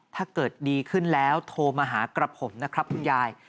ถ้าเกิดดีขึ้นแล้วโทรมาหากระผมนะครับคุณยาย